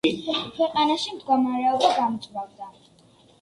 ქვეყანაში მდგომარეობა გამწვავდა.